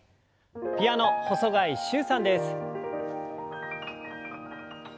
ピアノ細貝柊さんです。